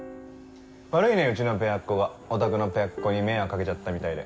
悪いねうちのペアっ子がおたくのペアっ子に迷惑掛けちゃったみたいで。